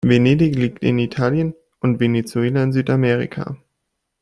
Venedig liegt in Italien und Venezuela in Südamerika.